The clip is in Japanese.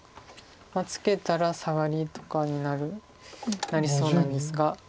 ツケたらサガリとかになりそうなんですが。